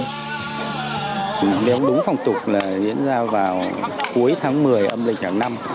nếu đúng phong tục là diễn ra vào cuối tháng một mươi âm lịch hàng năm